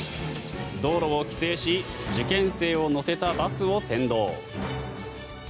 道路を規制し受験生を乗せたバスを先導。